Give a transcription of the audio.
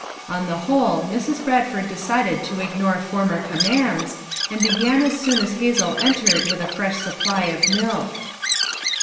On the whole, Mrs. Bradford decided to ignore former commands, and began as soon as Hazel entered with a fresh supply of milk.